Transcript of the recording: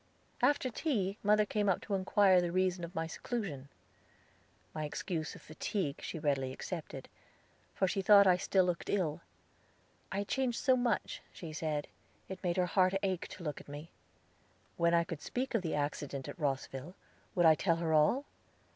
After tea mother came up to inquire the reason of my seclusion. My excuse of fatigue she readily accepted, for she thought I still looked ill. I had changed so much, she said, it made her heart ache to look at me. When I could speak of the accident at Rosville, would I tell her all?